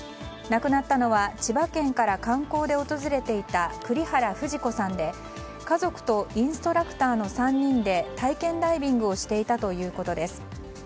亡くなったのは千葉県から観光で訪れていた栗原藤子さんで家族とインストラクターの３人で体験ダイビングをしていたということです。